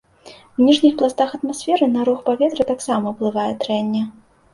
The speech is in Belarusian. У ніжніх пластах атмасферы на рух паветра таксама ўплывае трэнне.